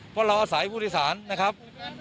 เพราะเราอาศัยผู้โดยสารนะครับ